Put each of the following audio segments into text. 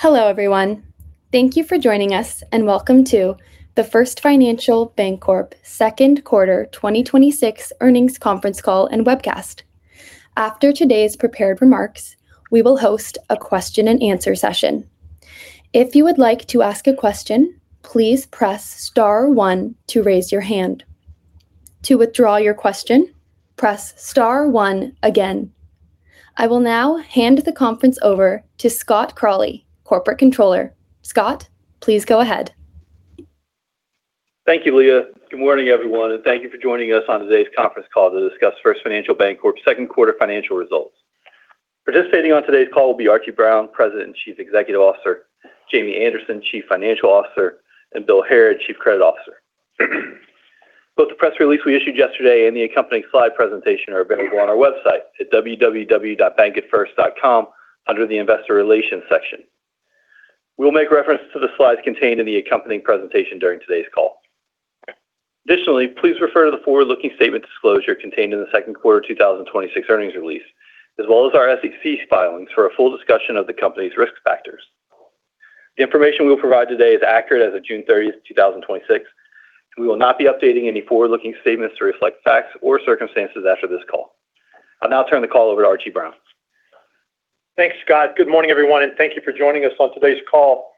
Hello, everyone. Thank you for joining us, and welcome to the First Financial Bancorp second quarter 2026 earnings conference call and webcast. After today's prepared remarks, we will host a question and answer session. If you would like to ask a question, please press star one to raise your hand. To withdraw your question, press star one again. I will now hand the conference over to Scott Crawley, Corporate Controller. Scott, please go ahead. Thank you, Leah. Good morning, everyone. Thank you for joining us on today's conference call to discuss First Financial Bancorp's second quarter financial results. Participating on today's call will be Archie Brown, President and Chief Executive Officer; Jamie Anderson, Chief Financial Officer; and Bill Harrod, Chief Credit Officer. Both the press release we issued yesterday and the accompanying slide presentation are available on our website at www.bankatfirst.com under the investor relations section. We will make reference to the slides contained in the accompanying presentation during today's call. Additionally, please refer to the forward-looking statement disclosure contained in the second quarter 2026 earnings release, as well as our SEC filings for a full discussion of the company's risk factors. The information we will provide today is accurate as of June 30th, 2026. We will not be updating any forward-looking statements to reflect facts or circumstances after this call. I will now turn the call over to Archie Brown. Thanks, Scott. Good morning, everyone. Thank you for joining us on today's call.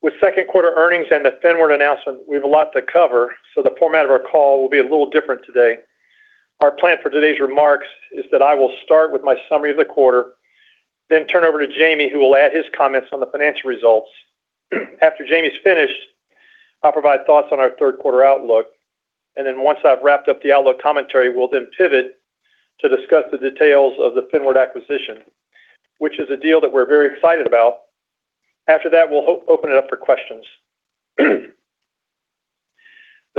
With second quarter earnings and the Finward announcement, we have a lot to cover, so the format of our call will be a little different today. Our plan for today's remarks is that I will start with my summary of the quarter, then turn over to Jamie, who will add his comments on the financial results. After Jamie is finished, I will provide thoughts on our third quarter outlook. Once I have wrapped up the outlook commentary, we will then pivot to discuss the details of the Finward acquisition, which is a deal that we are very excited about. After that, we will open it up for questions. The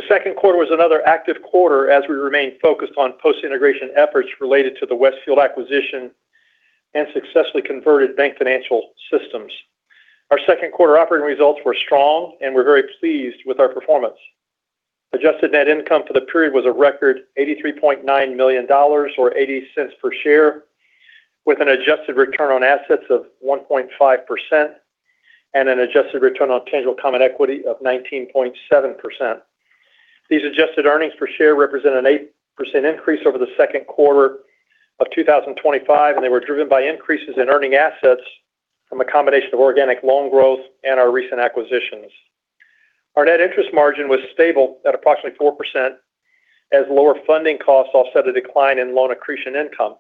second quarter was another active quarter as we remained focused on post-integration efforts related to the Westfield acquisition and successfully converted BankFinancial systems. Our second quarter operating results were strong, we're very pleased with our performance. Adjusted net income for the period was a record $83.9 million, or $0.80 per share, with an adjusted return on assets of 1.5% an adjusted return on tangible common equity of 19.7%. These adjusted earnings per share represent an 8% increase over the second quarter of 2025, they were driven by increases in earning assets from a combination of organic loan growth and our recent acquisitions. Our net interest margin was stable at approximately 4% as lower funding costs offset a decline in loan accretion income.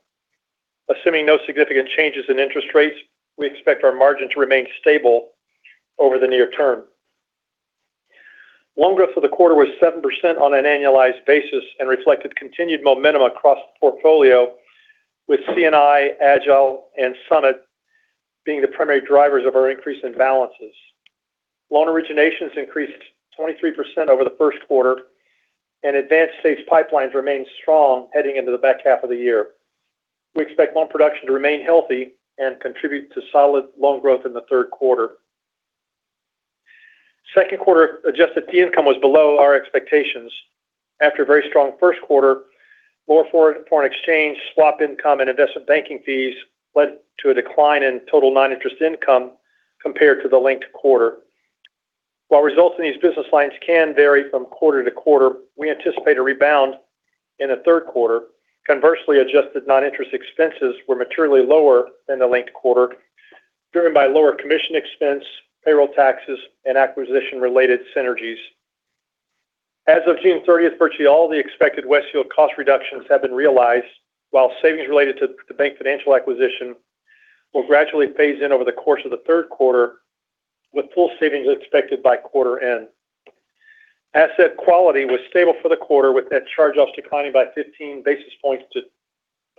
Assuming no significant changes in interest rates, we expect our margin to remain stable over the near term. Loan growth for the quarter was 7% on an annualized basis and reflected continued momentum across the portfolio with C&I, Agile, and Summit being the primary drivers of our increase in balances. Loan originations increased 23% over the first quarter, advanced stage pipelines remain strong heading into the back half of the year. We expect loan production to remain healthy and contribute to solid loan growth in the third quarter. Second quarter adjusted fee income was below our expectations. After a very strong first quarter, lower foreign exchange swap income and investment banking fees led to a decline in total non-interest income compared to the linked quarter. While results in these business lines can vary from quarter to quarter, we anticipate a rebound in the third quarter. Conversely, adjusted non-interest expenses were materially lower than the linked quarter driven by lower commission expense, payroll taxes, and acquisition-related synergies. As of June 30th, virtually all the expected Westfield cost reductions have been realized, while savings related to the BankFinancial acquisition will gradually phase in over the course of the third quarter with full savings expected by quarter end. Asset quality was stable for the quarter with net charge-offs declining by 15 basis points to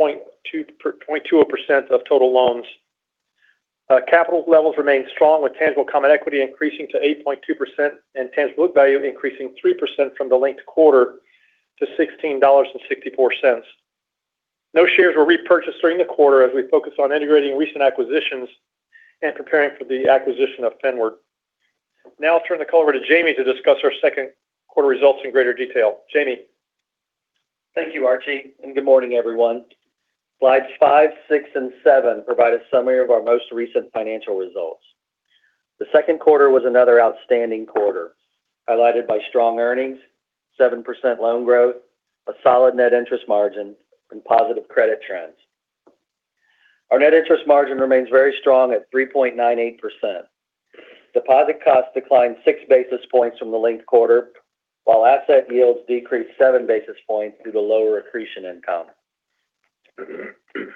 0.20% of total loans. Capital levels remained strong with tangible common equity increasing to 8.2% and tangible book value increasing 3% from the linked quarter to $16.64. No shares were repurchased during the quarter as we focus on integrating recent acquisitions and preparing for the acquisition of Finward. Now I'll turn the call over to Jamie to discuss our second quarter results in greater detail. Jamie? Thank you, Archie, good morning, everyone. Slides five, six, and seven provide a summary of our most recent financial results. The second quarter was another outstanding quarter, highlighted by strong earnings, 7% loan growth, a solid net interest margin, and positive credit trends. Our net interest margin remains very strong at 3.98%. Deposit costs declined six basis points from the linked quarter, while asset yields decreased seven basis points due to lower accretion income.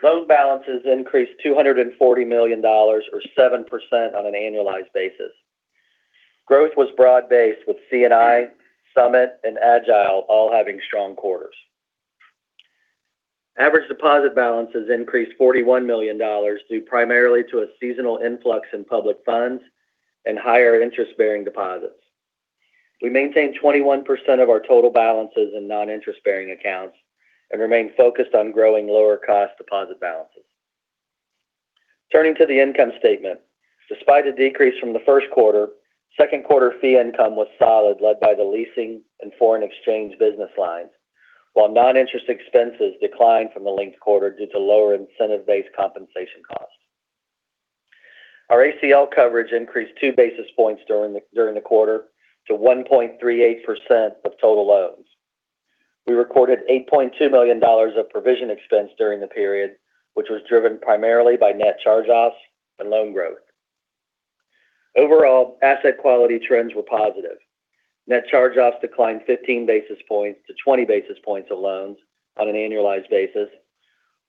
Loan balances increased $240 million, or 7% on an annualized basis. Growth was broad-based with C&I, Summit, and Agile all having strong quarters. Average deposit balances increased $41 million due primarily to a seasonal influx in public funds and higher interest-bearing deposits. We maintained 21% of our total balances in non-interest-bearing accounts remain focused on growing lower cost deposit balances. Turning to the income statement. Despite a decrease from the first quarter, second quarter fee income was solid, led by the leasing and foreign exchange business lines. Non-interest expenses declined from the linked quarter due to lower incentive-based compensation costs. Our ACL coverage increased two basis points during the quarter to 1.38% of total loans. We recorded $8.2 million of provision expense during the period, which was driven primarily by net charge-offs and loan growth. Overall, asset quality trends were positive. Net charge-offs declined 15 basis points to 20 basis points of loans on an annualized basis,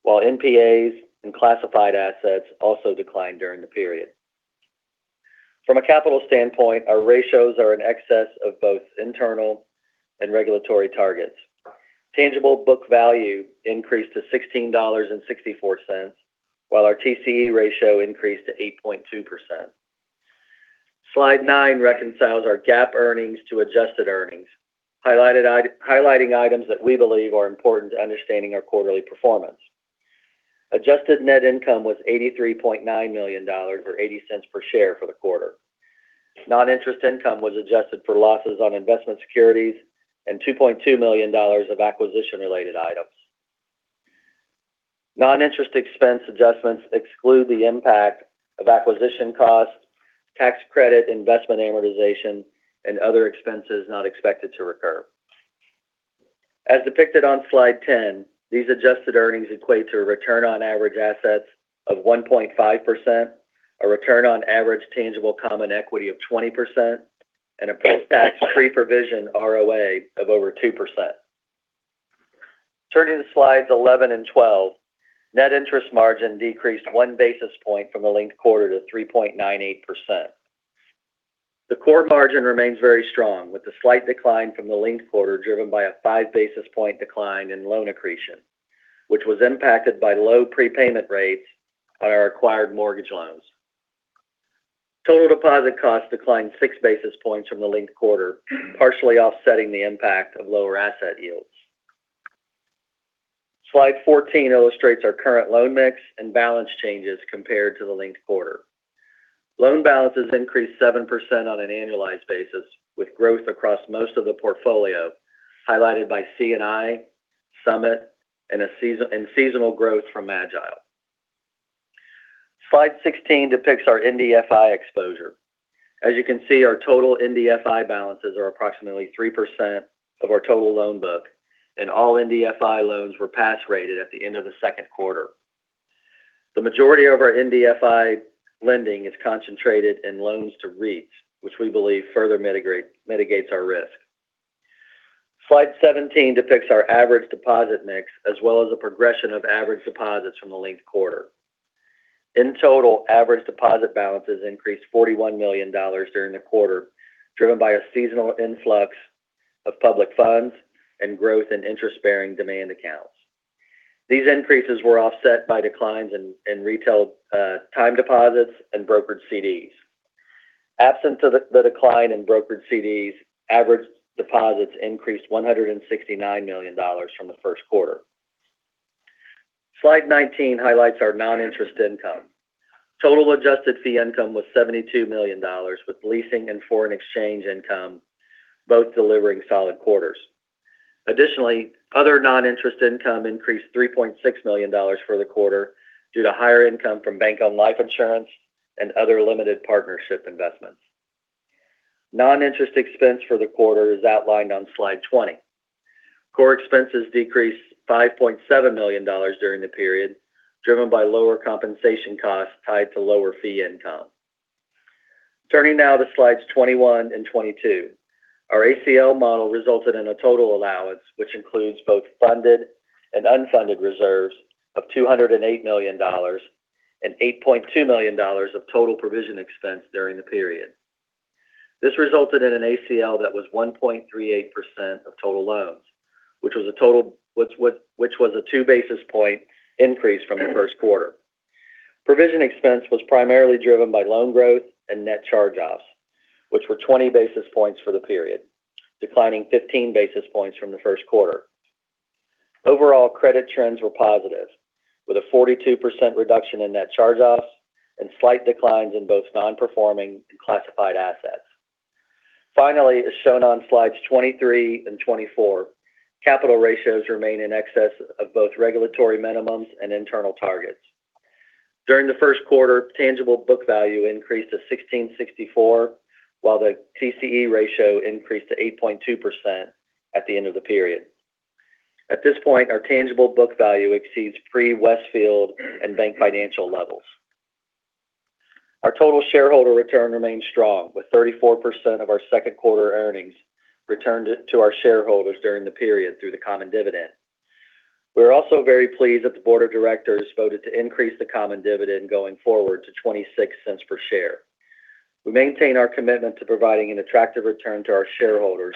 while NPAs and classified assets also declined during the period. From a capital standpoint, our ratios are in excess of both internal and regulatory targets. Tangible book value increased to $16.64, while our TCE ratio increased to 8.2%. Slide nine reconciles our GAAP earnings to adjusted earnings, highlighting items that we believe are important to understanding our quarterly performance. Adjusted net income was $83.9 million, or $0.80 per share for the quarter. Non-interest income was adjusted for losses on investment securities and $2.2 million of acquisition-related items. Non-interest expense adjustments exclude the impact of acquisition costs, tax credit, investment amortization, and other expenses not expected to recur. As depicted on Slide 10, these adjusted earnings equate to a return on average assets of 1.5%, a return on average tangible common equity of 20%, and a post-tax pre-provision ROA of over 2%. Turning to slides 11 and 12, net interest margin decreased one basis point from the linked quarter to 3.98%. The core margin remains very strong, with a slight decline from the linked quarter driven by a five basis point decline in loan accretion, which was impacted by low prepayment rates on our acquired mortgage loans. Total deposit costs declined six basis points from the linked quarter, partially offsetting the impact of lower asset yields. Slide 14 illustrates our current loan mix and balance changes compared to the linked quarter. Loan balances increased 7% on an annualized basis, with growth across most of the portfolio, highlighted by C&I, Summit, and seasonal growth from Agile. Slide 16 depicts our MDFI exposure. As you can see, our total MDFI balances are approximately 3% of our total loan book, and all MDFI loans were pass rated at the end of the second quarter. The majority of our MDFI lending is concentrated in loans to REITs, which we believe further mitigates our risk. Slide 17 depicts our average deposit mix, as well as the progression of average deposits from the linked quarter. In total, average deposit balances increased $41 million during the quarter, driven by a seasonal influx of public funds and growth in interest-bearing demand accounts. These increases were offset by declines in retail time deposits and brokered CDs. Absent the decline in brokered CDs, average deposits increased $169 million from the first quarter. Slide 19 highlights our non-interest income. Total adjusted fee income was $72 million, with leasing and foreign exchange income both delivering solid quarters. Additionally, other non-interest income increased $3.6 million for the quarter due to higher income from bank-owned life insurance and other limited partnership investments. Non-interest expense for the quarter is outlined on Slide 20. Core expenses decreased $5.7 million during the period, driven by lower compensation costs tied to lower fee income. Turning now to slides 21 and 22, our ACL model resulted in a total allowance, which includes both funded and unfunded reserves of $208 million and $8.2 million of total provision expense during the period. This resulted in an ACL that was 1.38% of total loans, which was a two basis point increase from the first quarter. Provision expense was primarily driven by loan growth and net charge-offs, which were 20 basis points for the period, declining 15 basis points from the first quarter. Overall, credit trends were positive, with a 42% reduction in net charge-offs and slight declines in both non-performing and classified assets. Finally, as shown on slides 23 and 24, capital ratios remain in excess of both regulatory minimums and internal targets. During the first quarter, tangible book value increased to $16.64, while the TCE ratio increased to 8.2% at the end of the period. At this point, our tangible book value exceeds pre-Westfield and BankFinancial levels. Our total shareholder return remains strong, with 34% of our second quarter earnings returned to our shareholders during the period through the common dividend. We're also very pleased that the board of directors voted to increase the common dividend going forward to $0.26 per share. We maintain our commitment to providing an attractive return to our shareholders,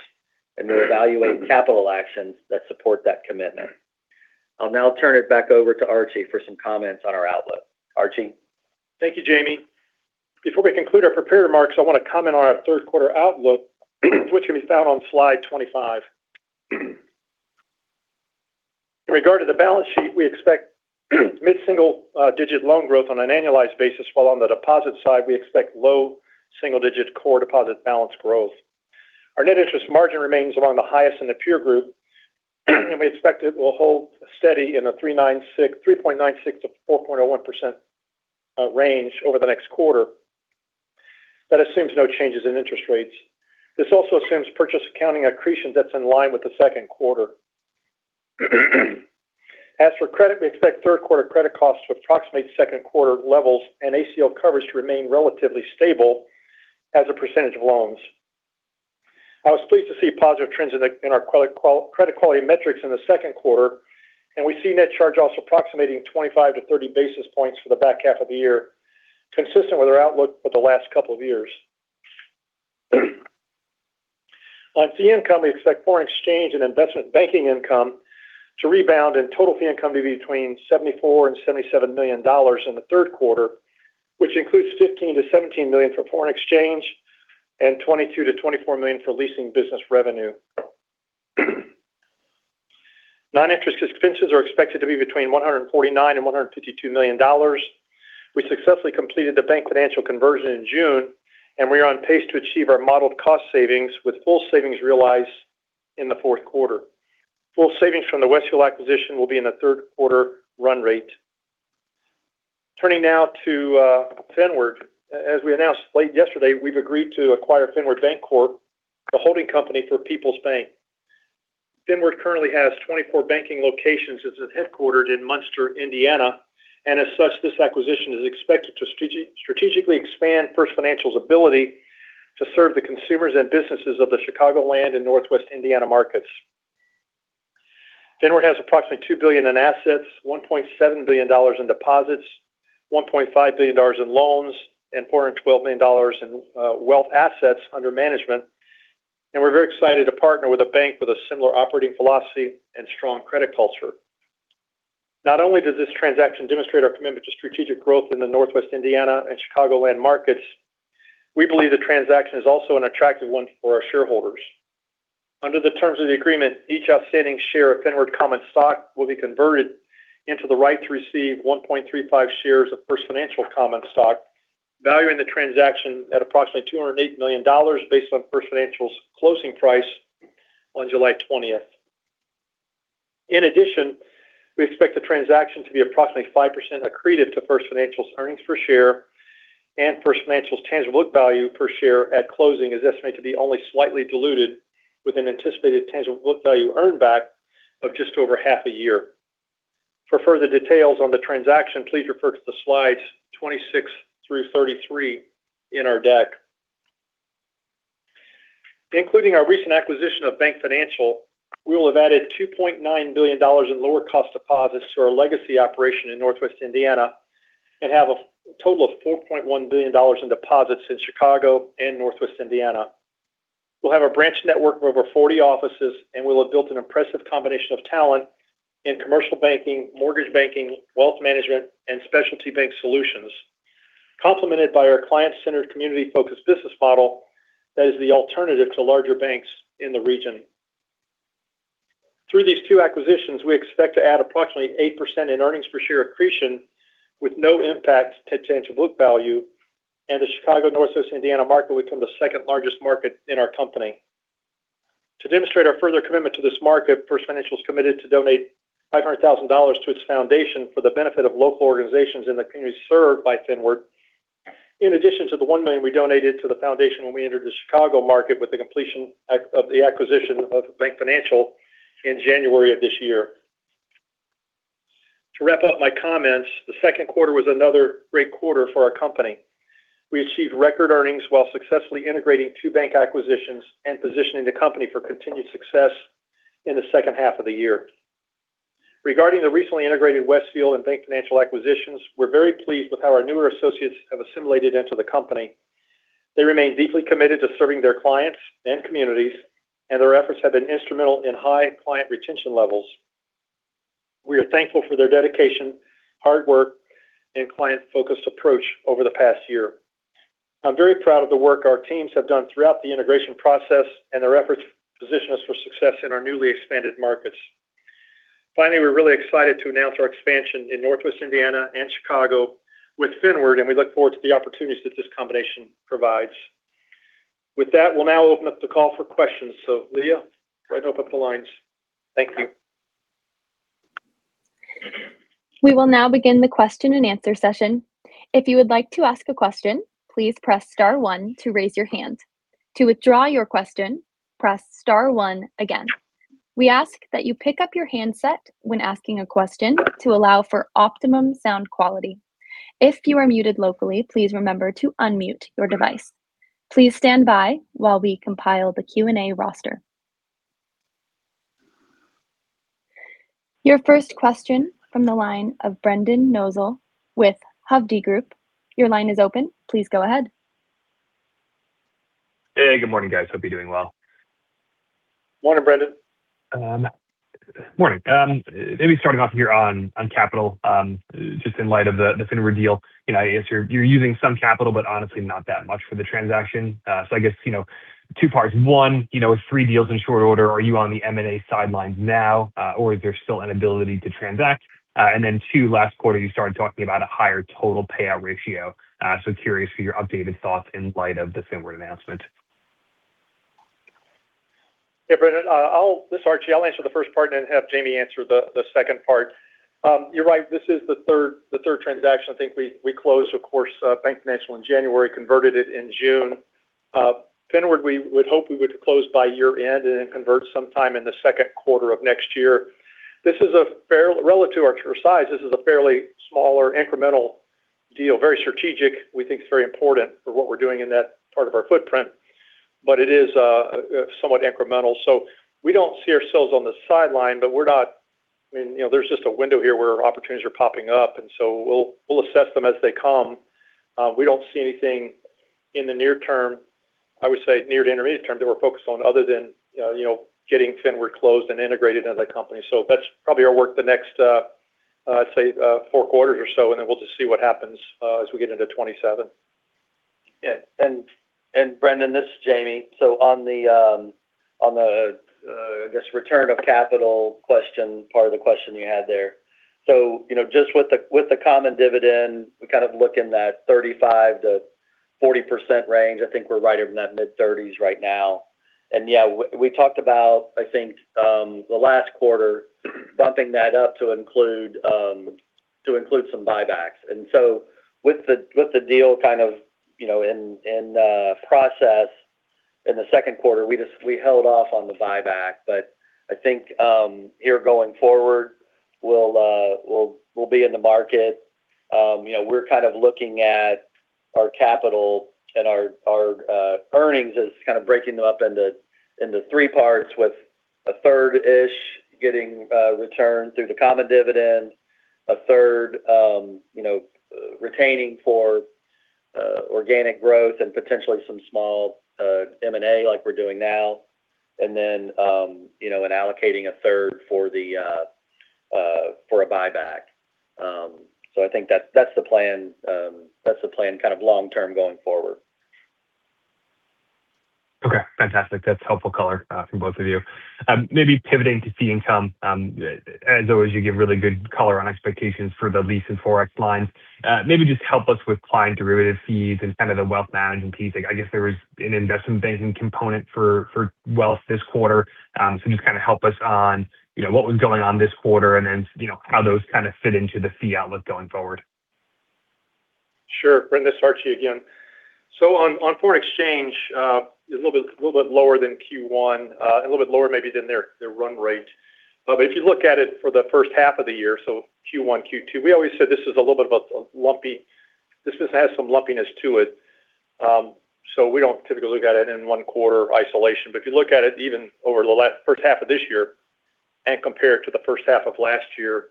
and we're evaluating capital actions that support that commitment. I'll now turn it back over to Archie for some comments on our outlook. Archie? Thank you, Jamie. Before we conclude our prepared remarks, I want to comment on our third quarter outlook, which can be found on slide 25. In regard to the balance sheet, we expect mid-single-digit loan growth on an annualized basis, while on the deposit side, we expect low single-digit core deposit balance growth. Our net interest margin remains among the highest in the peer group, and we expect it will hold steady in a 3.96%-4.01% range over the next quarter. That assumes no changes in interest rates. This also assumes purchase accounting accretion that's in line with the second quarter. As for credit, we expect third quarter credit costs to approximate second quarter levels and ACL coverage to remain relatively stable as a percentage of loans. I was pleased to see positive trends in our credit quality metrics in the second quarter. We see net charge-offs approximating 25-30 basis points for the back half of the year, consistent with our outlook for the last couple of years. On fee income, we expect foreign exchange and investment banking income to rebound and total fee income to be between $74 million and $77 million in the third quarter, which includes $15 million-$17 million for foreign exchange and $22 million-$24 million for leasing business revenue. Non-interest expenses are expected to be between $149 million and $152 million. We successfully completed the BankFinancial conversion in June, and we are on pace to achieve our modeled cost savings with full savings realized in the fourth quarter. Full savings from the Westfield acquisition will be in the third quarter run rate. Turning now to Finward. As we announced late yesterday, we've agreed to acquire Finward Bancorp, the holding company for Peoples Bank. Finward currently has 24 banking locations. It's headquartered in Munster, Indiana, and as such, this acquisition is expected to strategically expand First Financial's ability to serve the consumers and businesses of the Chicagoland and Northwest Indiana markets. Finward has approximately $2 billion in assets, $1.7 billion in deposits, $1.5 billion in loans, and $412 million in wealth assets under management. We're very excited to partner with a bank with a similar operating philosophy and strong credit culture. Not only does this transaction demonstrate our commitment to strategic growth in the Northwest Indiana and Chicagoland markets, we believe the transaction is also an attractive one for our shareholders. Under the terms of the agreement, each outstanding share of Finward common stock will be converted into the right to receive 1.35 shares of First Financial common stock, valuing the transaction at approximately $208 million based on First Financial's closing price on July 20th. In addition, we expect the transaction to be approximately 5% accretive to First Financial's earnings per share and First Financial's tangible book value per share at closing is estimated to be only slightly diluted with an anticipated tangible book value earn back of just over half a year. For further details on the transaction, please refer to the slides 26 through 33 in our deck. Including our recent acquisition of BankFinancial, we will have added $2.9 billion in lower cost deposits to our legacy operation in Northwest Indiana and have a total of $4.1 billion in deposits in Chicago and Northwest Indiana. We'll have a branch network of over 40 offices. We'll have built an impressive combination of talent in commercial banking, mortgage banking, wealth management, and specialty bank solutions, complemented by our client-centered, community-focused business model that is the alternative to larger banks in the region. Through these two acquisitions, we expect to add approximately 8% in earnings per share accretion with no impact to tangible book value. The Chicago Northwest Indiana market will become the second largest market in our company. To demonstrate our further commitment to this market, First Financial's committed to donate $500,000 to its foundation for the benefit of local organizations in the communities served by Finward, in addition to the $1 million we donated to the foundation when we entered the Chicago market with the completion of the acquisition of BankFinancial in January of this year. To wrap up my comments, the second quarter was another great quarter for our company. We achieved record earnings while successfully integrating two bank acquisitions and positioning the company for continued success in the second half of the year. Regarding the recently integrated Westfield and BankFinancial acquisitions, we're very pleased with how our newer associates have assimilated into the company. They remain deeply committed to serving their clients and communities. Their efforts have been instrumental in high client retention levels. We are thankful for their dedication, hard work, and client-focused approach over the past year. I'm very proud of the work our teams have done throughout the integration process. Their efforts position us for success in our newly expanded markets. Finally, we're really excited to announce our expansion in Northwest Indiana and Chicago with Finward. We look forward to the opportunities that this combination provides. With that, we'll now open up the call for questions. Leah, go ahead and open up the lines. Thank you. We will now begin the question and answer session. If you would like to ask a question, please press star one to raise your hand. To withdraw your question, press star one again. We ask that you pick up your handset when asking a question to allow for optimum sound quality. If you are muted locally, please remember to unmute your device. Please stand by while we compile the Q&A roster. Your first question from the line of Brendan Nosal with Hovde Group. Your line is open. Please go ahead. Hey, good morning, guys. Hope you're doing well. Morning, Brendan. Morning. Maybe starting off here on capital, just in light of the Finward deal. I guess you're using some capital, but honestly not that much for the transaction. Two parts. One, with three deals in short order, are you on the M&A sidelines now, or is there still an ability to transact? Two, last quarter, you started talking about a higher total payout ratio. Curious for your updated thoughts in light of the Finward announcement. Brendan. This is Archie. I'll answer the first part and then have Jamie answer the second part. You're right, this is the third transaction. I think we closed, of course, BankFinancial in January, converted it in June. Finward, we would hope we would close by year-end and then convert sometime in the second quarter of next year. Relative to our size, this is a fairly smaller incremental deal. Very strategic. We think it's very important for what we're doing in that part of our footprint, but it is somewhat incremental. We don't see ourselves on the sideline, but there's just a window here where opportunities are popping up, we'll assess them as they come. We don't see anything in the near term, I would say near to intermediate term, that we're focused on other than getting Finward closed and integrated as a company. That's probably our work the next, let's say four quarters or so, we'll just see what happens as we get into 2027. Brendan, this is Jamie. On this return of capital question, part of the question you had there. Just with the common dividend, we kind of look in that 35%-40% range. I think we're right in that mid-30s right now. We talked about, I think, the last quarter bumping that up to include some buybacks. With the deal kind of in process in the second quarter, we held off on the buyback. I think here going forward, we'll be in the market. We're kind of looking at our capital and our earnings as kind of breaking them up into three parts with a third-ish getting returned through the common dividend, a third retaining for organic growth and potentially some small M&A like we're doing now. Allocating a third for a buyback. I think that's the plan kind of long-term going forward. Fantastic. That's helpful color from both of you. Pivoting to fee income. As always, you give really good color on expectations for the lease and forex lines. Just help us with client derivative fees and kind of the wealth management piece. I guess there was an investment banking component for wealth this quarter. Just kind of help us on what was going on this quarter, and then how those kind of fit into the fee outlook going forward. Sure. Brendan, this is Archie again. On foreign exchange, it's a little bit lower than Q1, a little bit lower maybe than their run rate. If you look at it for the first half of the year, Q1, Q2, we always said this has some lumpiness to it. We don't typically look at it in one quarter of isolation. If you look at it even over the first half of this year and compare it to the first half of last year,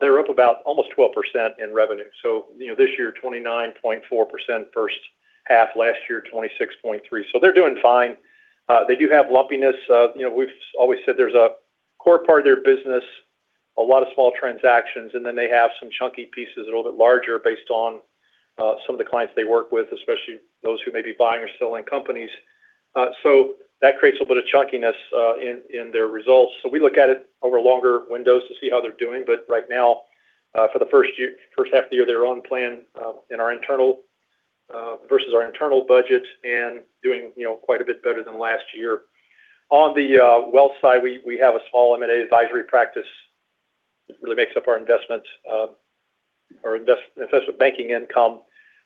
they're up about almost 12% in revenue. This year, 29.4% first half, last year 26.3%. They're doing fine. They do have lumpiness. We've always said there's a core part of their business, a lot of small transactions, and then they have some chunky pieces that are a little bit larger based on some of the clients they work with, especially those who may be buying or selling companies. That creates a bit of chunkiness in their results. We look at it over longer windows to see how they're doing. Right now, for the first half of the year, they're on plan versus our internal budget and doing quite a bit better than last year. On the wealth side, we have a small M&A advisory practice. It really makes up our investment banking income.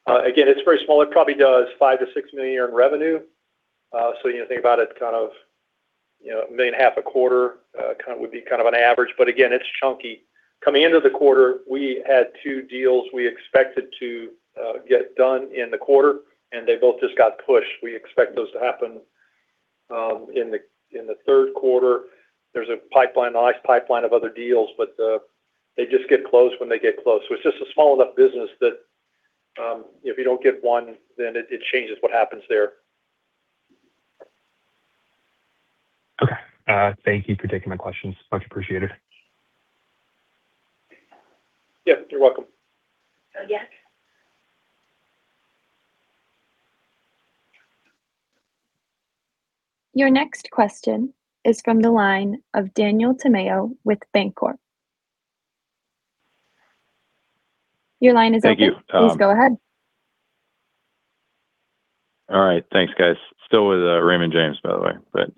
Again, it's very small. It probably does $5 million-$6 million a year in revenue. You think about it, kind of a million and a half a quarter would be kind of an average. Again, it's chunky. Coming into the quarter, we had two deals we expected to get done in the quarter, they both just got pushed. We expect those to happen in the third quarter. There's a nice pipeline of other deals, they just get closed when they get closed. It's just a small enough business that if you don't get one, it changes what happens there. Okay. Thank you for taking my questions. Much appreciated. Yeah, you're welcome. Yes. Your next question is from the line of Daniel Tamayo with Raymond James. Your line is open. Thank you. Please go ahead. All right. Thanks, guys. Still with Raymond James, by the way, but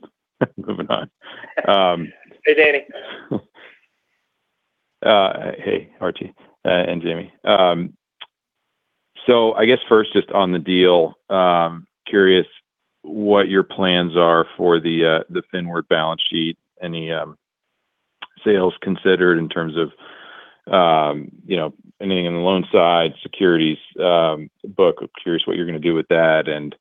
moving on. Hey, Danny. Hey, Archie and Jamie. I guess first just on the deal, curious what your plans are for the Finward balance sheet. Any sales considered in terms of anything on the loan side, securities book? Curious what you're going to do with that and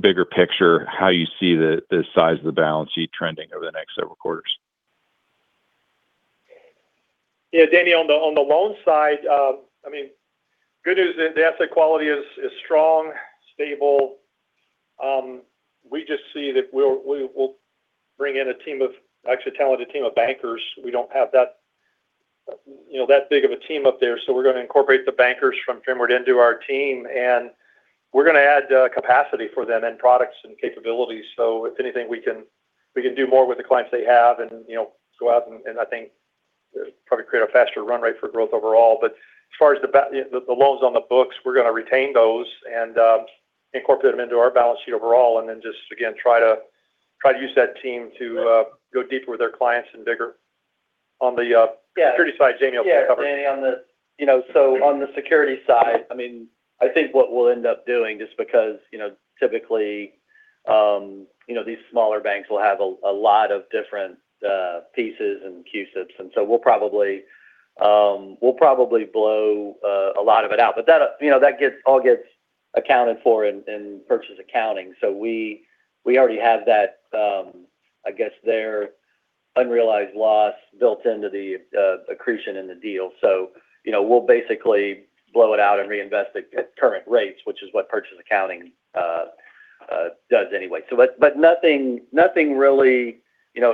bigger picture, how you see the size of the balance sheet trending over the next several quarters. Yeah, Danny, on the loan side, good news that the asset quality is strong, stable. We just see that we'll bring in an actually talented team of bankers. We don't have that that big of a team up there. We're going to incorporate the bankers from Finward into our team, we're going to add capacity for them and products and capabilities. If anything, we can do more with the clients they have and go out and I think probably create a faster run rate for growth overall. As far as the loans on the books, we're going to retain those and incorporate them into our balance sheet overall, then just, again, try to use that team to go deeper with their clients and bigger. On the security side, Jamie will cover. Yeah. Danny, on the security side, I think what we'll end up doing just because typically these smaller banks will have a lot of different pieces and CUSIPs, we'll probably blow a lot of it out. That all gets accounted for in purchase accounting. We already have that, I guess, their unrealized loss built into the accretion in the deal. We'll basically blow it out and reinvest it at current rates, which is what purchase accounting does anyway. Nothing really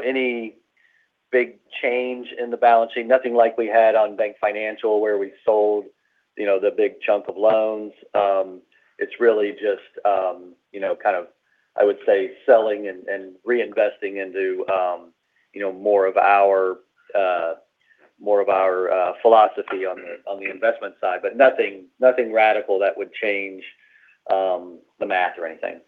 any big change in the balance sheet. Nothing like we had on BankFinancial where we sold the big chunk of loans. It's really just kind of, I would say, selling and reinvesting into more of our philosophy on the investment side, nothing radical that would change the math or anything.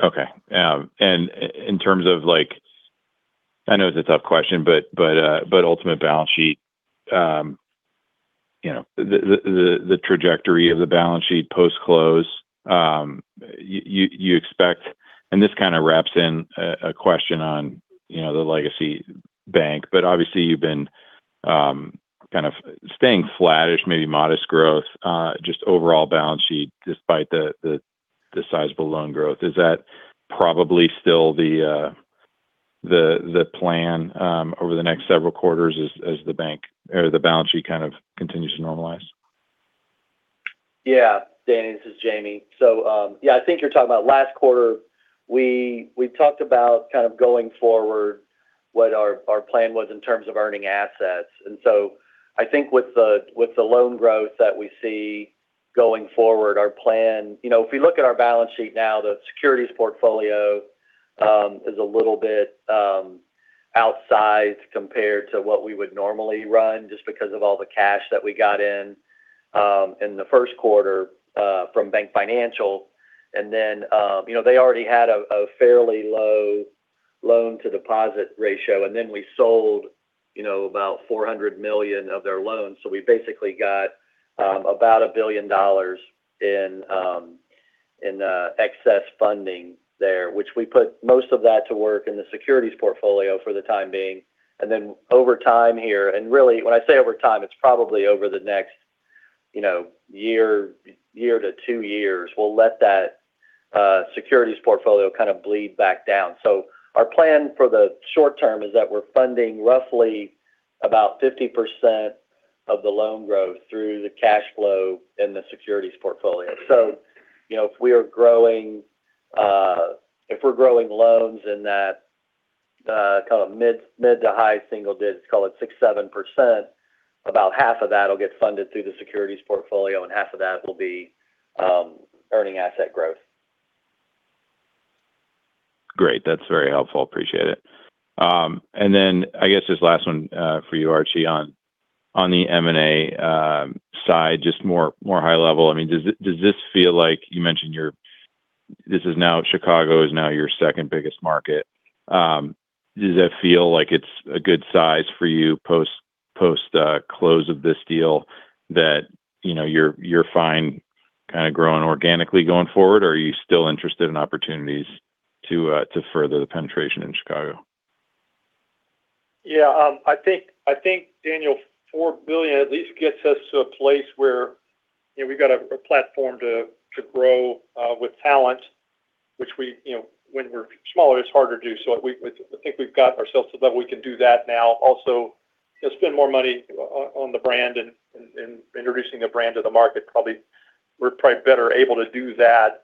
Okay. In terms of, I know it's a tough question, ultimate balance sheet. The trajectory of the balance sheet post-close. You expect, and this kind of wraps in a question on the legacy bank. Obviously you've been kind of staying flattish, maybe modest growth, just overall balance sheet despite the sizable loan growth. Is that probably still the plan over the next several quarters as the balance sheet kind of continues to normalize? Yeah. Daniel, this is Jamie. I think you're talking about last quarter, we talked about kind of going forward what our plan was in terms of earning assets. I think with the loan growth that we see going forward, if we look at our balance sheet now, the securities portfolio is a little bit outsized compared to what we would normally run, just because of all the cash that we got in in the first quarter from BankFinancial. They already had a fairly low loan-to-deposit ratio, and then we sold about $400 million of their loans. We basically got about $1 billion in excess funding there, which we put most of that to work in the securities portfolio for the time being. Over time here, and really when I say over time, it's probably over the next one to two years, we'll let that securities portfolio kind of bleed back down. Our plan for the short term is that we're funding roughly about 50% of the loan growth through the cash flow in the securities portfolio. If we're growing loans in that kind of mid to high single digits, call it 6%, 7%, about half of that will get funded through the securities portfolio, and half of that will be earning asset growth. Great. That's very helpful. Appreciate it. I guess just last one for you, Archie, on the M&A side, just more high level. You mentioned this is now Chicago is now your second biggest market. Does that feel like it's a good size for you post close of this deal that you're fine kind of growing organically going forward, or are you still interested in opportunities to further the penetration in Chicago? Yeah. I think, Daniel, $4 billion at least gets us to a place where we've got a platform to grow with talent, which when we're smaller, it's harder to do. I think we've got ourselves to the level we can do that now. Also, spend more money on the brand and introducing the brand to the market. We're probably better able to do that.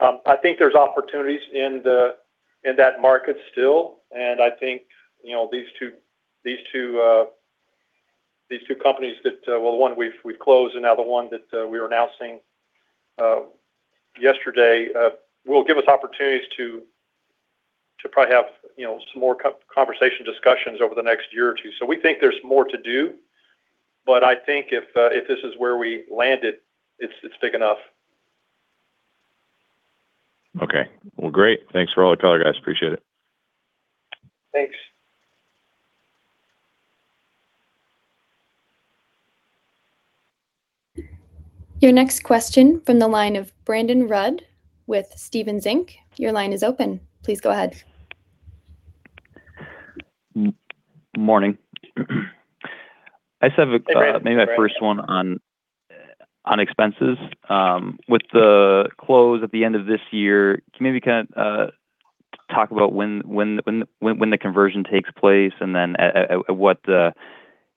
I think there's opportunities in that market still, and I think these two companies that, well, one we've closed and now the one that we are announcing yesterday, will give us opportunities to probably have some more conversation discussions over the next one or two years. We think there's more to do, but I think if this is where we landed, it's big enough. Okay. Well, great. Thanks for all the color, guys. Appreciate it. Thanks. Your next question from the line of Brandon Rud with Stephens Inc.. Your line is open. Please go ahead. Morning. I just have maybe my first one on expenses. With the close at the end of this year, can you maybe kind of talk about when the conversion takes place, and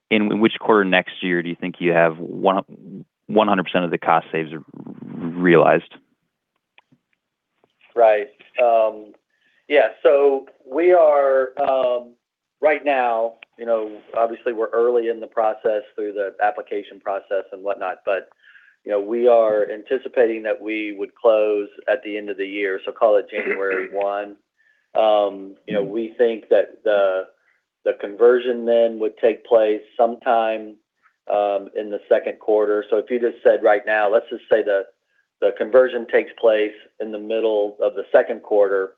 in which quarter next year do you think you have 100% of the cost saves realized? Right. Yeah. Right now, obviously we're early in the process through the application process and whatnot, but we are anticipating that we would close at the end of the year, so call it January 1. We think that the conversion then would take place sometime in the second quarter. If you just said right now, let's just say the conversion takes place in the middle of the second quarter,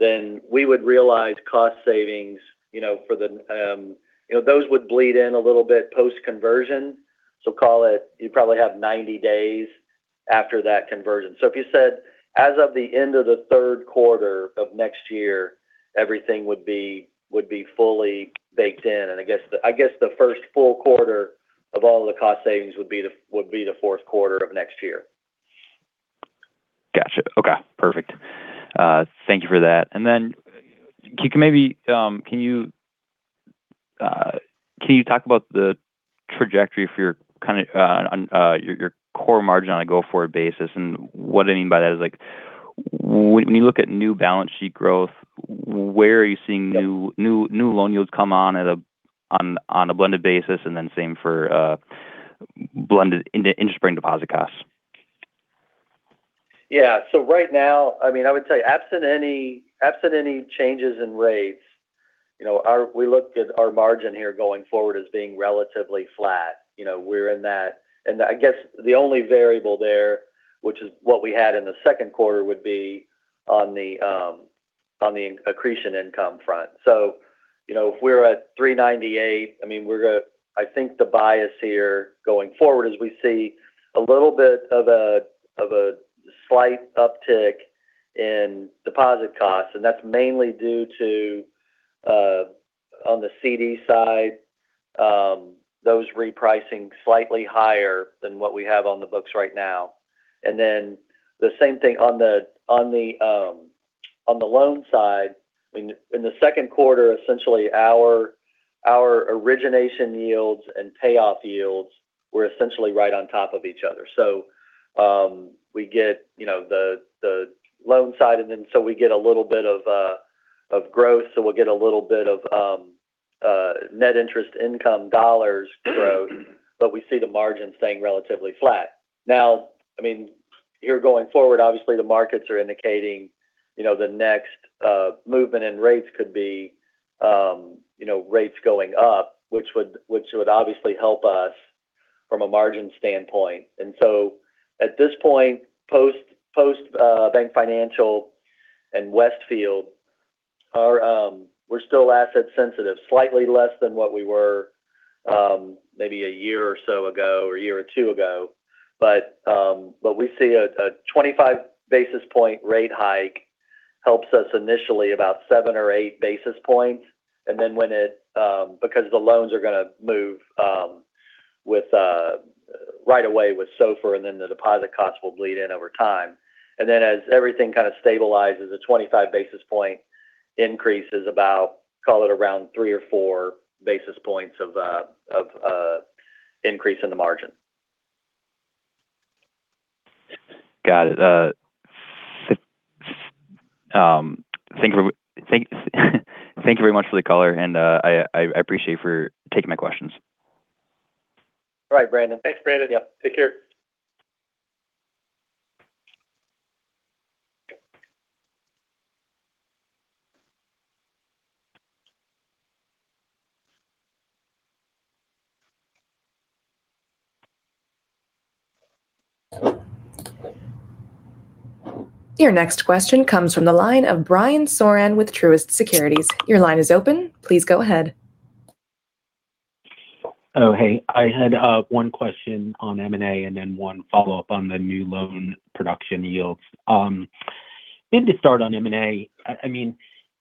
then we would realize cost savings. Those would bleed in a little bit post-conversion, so call it, you'd probably have 90 days after that conversion. If you said as of the end of the third quarter of next year, everything would be fully baked in. I guess the first full quarter of all the cost savings would be the fourth quarter of next year. Gotcha. Okay, perfect. Thank you for that. Can you talk about the trajectory for your core margin on a go-forward basis? What I mean by that is when you look at new balance sheet growth, where are you seeing new loan yields come on a blended basis? Then same for blended interest-bearing deposit costs. Yeah. Right now, I would say absent any changes in rates, we look at our margin here going forward as being relatively flat. I guess the only variable there, which is what we had in the second quarter, would be on the accretion income front. If we're at 398, I think the bias here going forward is we see a little bit of a slight uptick in deposit costs, and that's mainly due to, on the CDs side, those repricing slightly higher than what we have on the books right now. The same thing on the loan side. In the second quarter, essentially our origination yields and payoff yields were essentially right on top of each other. We get the loan side. We get a little bit of growth. We'll get a little bit of net interest income dollars growth. We see the margin staying relatively flat. Now, here going forward, obviously the markets are indicating the next movement in rates could be rates going up, which would obviously help us from a margin standpoint. At this point, post BankFinancial and Westfield, we're still asset sensitive. Slightly less than what we were maybe a year or so ago, or a year or two ago. We see a 25 basis point rate hike helps us initially about seven or eight basis points. Because the loans are going to move right away with SOFR, and then the deposit costs will bleed in over time. As everything kind of stabilizes at 25 basis point increases about, call it around three or four basis points of increase in the margin. Got it. Thank you very much for the color, and I appreciate for taking my questions. All right. Brandon. Thanks, Brandon. Yep. Take care. Your next question comes from the line of Brian Foran with Truist Securities. Your line is open. Please go ahead. Oh, hey. I had one question on M&A, then one follow-up on the new loan production yields. To start on M&A,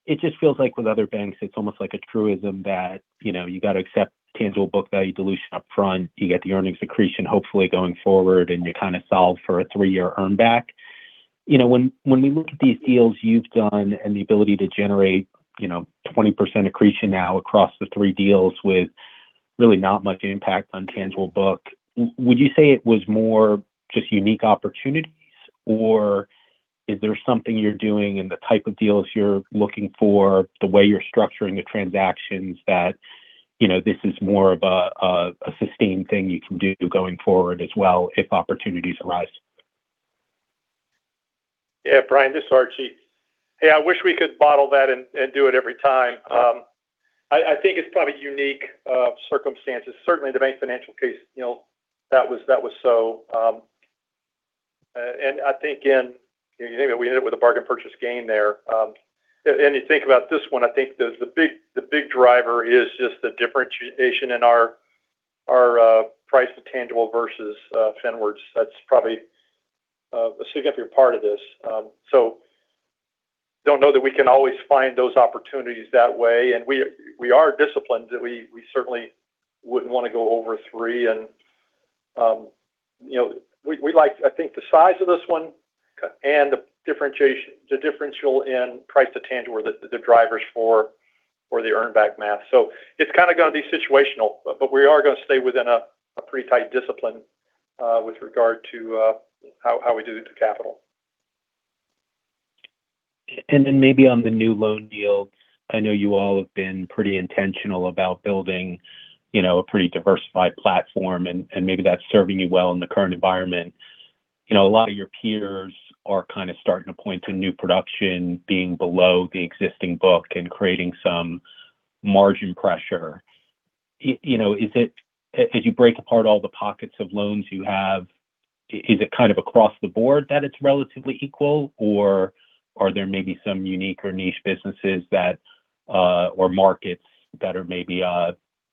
it just feels like with other banks, it's almost like a truism that you got to accept tangible book value dilution upfront. You get the earnings accretion, hopefully going forward, and you kind of solve for a three-year earn back. When we look at these deals you've done and the ability to generate 20% accretion now across the three deals with really not much impact on tangible book, would you say it was more just unique opportunities, or is there something you're doing in the type of deals you're looking for, the way you're structuring the transactions that this is more of a sustained thing you can do going forward as well if opportunities arise? Yeah. Brian, this is Archie. Hey, I wish we could bottle that and do it every time. I think it's probably unique circumstances. Certainly the BankFinancial case, that was so and I think we ended up with a bargain purchase gain there. You think about this one, I think the big driver is just the differentiation in our price to tangible versus Finward's. That's probably a significant part of this. Don't know that we can always find those opportunities that way. We are disciplined that we certainly wouldn't want to go over three. We liked, I think, the size of this one and the differential in price to tangible were the drivers for the earn back math. It's kind of going to be situational. We are going to stay within a pretty tight discipline with regard to how we do it to capital. Then maybe on the new loan deals, I know you all have been pretty intentional about building a pretty diversified platform, and maybe that's serving you well in the current environment. A lot of your peers are kind of starting to point to new production being below the existing book and creating some margin pressure. As you break apart all the pockets of loans you have, is it kind of across the board that it's relatively equal, or are there maybe some unique or niche businesses that, or markets that are maybe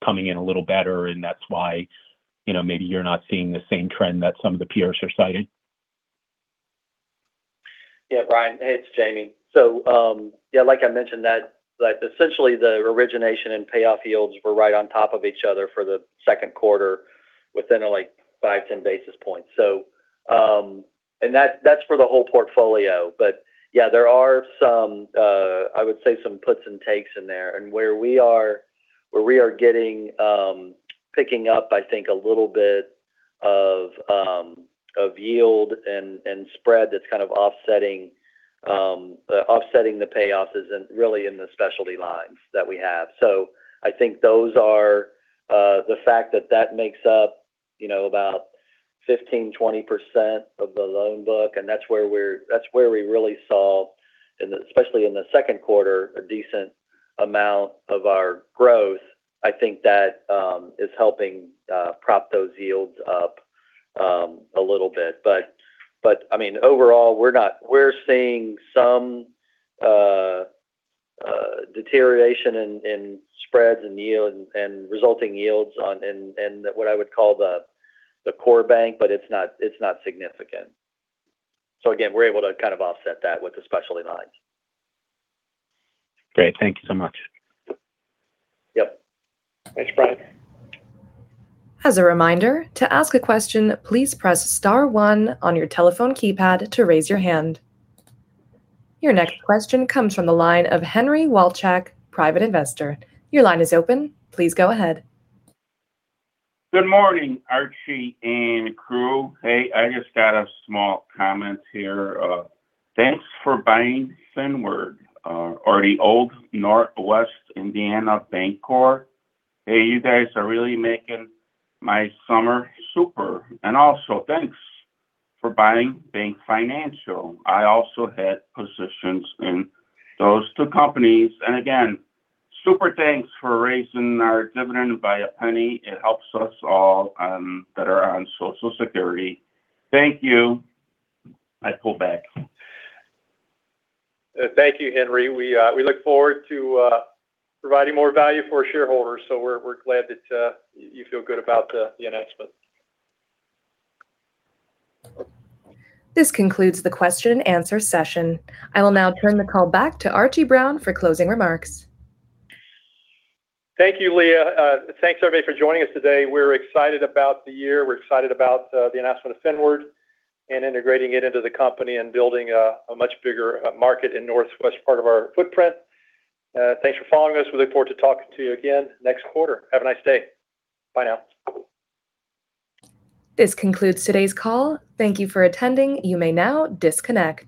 coming in a little better, and that's why maybe you're not seeing the same trend that some of the peers are citing? Yeah, Brian. Hey, it's Jamie. Yeah, like I mentioned, essentially the origination and payoff yields were right on top of each other for the second quarter within 5-10 basis points. That's for the whole portfolio. Yeah, there are some, I would say some puts and takes in there, and where we are getting, picking up I think a little bit of yield and spread that's kind of offsetting the payoffs is really in the specialty lines that we have. I think that makes up about 15%-20% of the loan book, and that's where we really saw, especially in the second quarter, a decent amount of our growth. I think that is helping prop those yields up a little bit. I mean, overall, we're seeing some deterioration in spreads and yield and resulting yields in what I would call the core bank, but it's not significant. Again, we're able to kind of offset that with the specialty lines. Great. Thank you so much. Yep. Thanks, Brian. As a reminder, to ask a question, please press star one on your telephone keypad to raise your hand. Your next question comes from the line of Henry Walczak, private investor. Your line is open. Please go ahead. Good morning, Archie and crew. Hey, I just got a small comment here. Thanks for buying Finward, or the old NorthWest Indiana Bancorp. Hey, you guys are really making my summer super. Also thanks for buying BankFinancial. I also had positions in those two companies. Again, super thanks for raising our dividend by a penny. It helps us all that are on Social Security. Thank you. I pull back. Thank you, Henry. We look forward to providing more value for our shareholders. We're glad that you feel good about the announcement. This concludes the question and answer session. I will now turn the call back to Archie Brown for closing remarks. Thank you, Leah. Thanks, everybody, for joining us today. We're excited about the year. We're excited about the announcement of Finward and integrating it into the company and building a much bigger market in northwest part of our footprint. Thanks for following us. We look forward to talking to you again next quarter. Have a nice day. Bye now. This concludes today's call. Thank you for attending. You may now disconnect.